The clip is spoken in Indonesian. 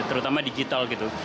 terutama digital gitu